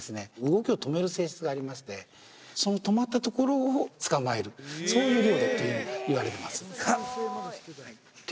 動きを止める性質がありましてその止まったところを捕まえるそういう猟だというふうにいわれてますはっ！